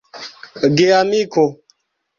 geamiko